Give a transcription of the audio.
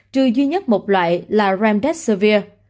trừ duy nhất một loại là remdesivir